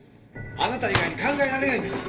あなた以外に考えられないんです。